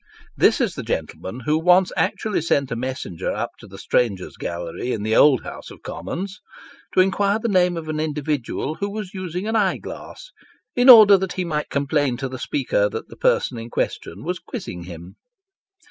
This is the gentleman who once actually sent a messenger up to the Strangers' Gallery in the old House of Commons, to inquire the name of an individual who was using an eye glass, in order that he might complain to the Speaker that the person in question was quizzing him